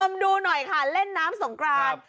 เริ่มดูหน่อยค่ะเล่นน้ำสงคราญ